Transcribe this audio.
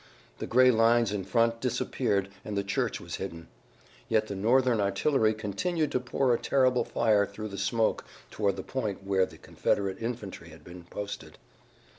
The gray lines in front disappeared and the church was hidden. Yet the Northern artillery continued to pour a terrible fire through the smoke toward the point where the Confederate infantry had been posted.